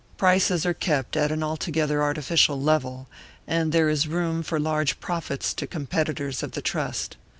Prices are kept at an altogether artificial level, and there is room for large profits to competitors of the Trust.